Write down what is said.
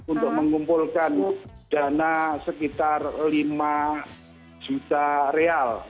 untuk mengumpulkan dana sekitar lima juta real